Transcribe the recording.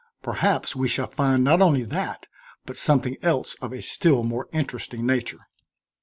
Perhaps we shall find not only that, but something else of a still more interesting nature."